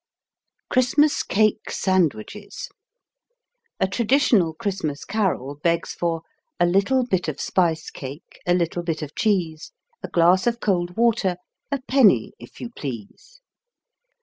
Christmas Cake Sandwiches A traditional Christmas carol begs for: A little bit of spice cake A little bit of cheese, A glass of cold water, A penny, if you please.